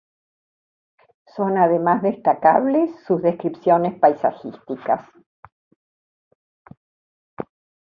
Son además destacables sus descripciones paisajísticas.